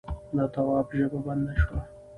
د تواب ژبه بنده شوه: